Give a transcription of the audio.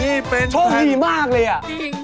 นี่เป็นแผนแหน่งเดี๋ยวดีมากเลยน่ะจริง